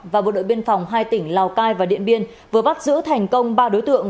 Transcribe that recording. và bộ đội biên phòng hai tỉnh lào cai và điện biên vừa bắt giữ thành công ba đối tượng